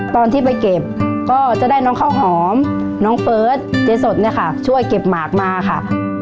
ตอนที่ไปเก็บก็จะได้น้องข้าวหอมน้องเฟิร์สเจ๊สดเนี่ยค่ะช่วยเก็บหมากมาค่ะ